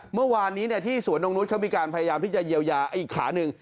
เมื่อวานนี้ที่สวนนกนุษย์เขามีการพยายามที่จะเยียวยาอีกขาหนึ่ง